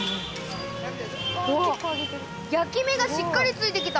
焼き目がしっかりついて来た。